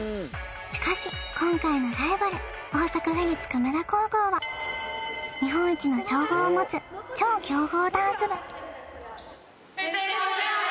しかし今回のライバル大阪府立久米田高校は日本一の称号を持つ超強豪ダンス部おはようございます！